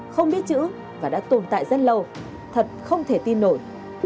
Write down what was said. không biết chữ và đã tồn tại rất lâu thật không thể tin nổi